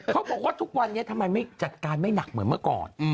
เขาบอกว่าทุกวันนี้ทำไมไม่จัดการไม่หนักเหมือนเมื่อก่อน